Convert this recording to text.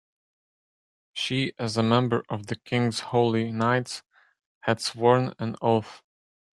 She, as a member of the king's holy knights, had sworn an oath.